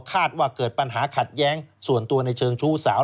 คาดว่าเกิดปัญหาขัดแย้งส่วนตัวในเชิงชู้สาว